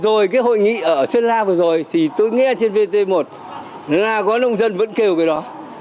ở sơn la vừa rồi thì tôi nghe trên vt một là có nông dân vẫn kêu cái đó